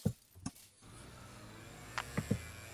All vehicles are high-band radio equipped.